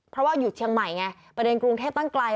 เพราะว่าอยู่เชียงใหม่ไงประเด็นกรุงเทพตั้งไกล